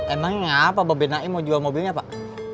emang kenapa babenaim mau jual mobilnya pak